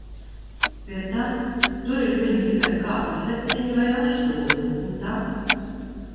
Pie tam, tur ir viņu tikai kādi septiņi vai astoņi, ne tā?